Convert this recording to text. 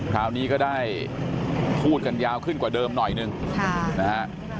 คราวนี้ก็ได้พูดกันยาวขึ้นกว่าเดิมหน่อยนึงนะฮะ